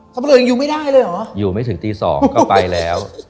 เขาบอกยังอยู่ไม่ได้เลยเหรออยู่ไม่ถึงตีสองก็ไปแล้ว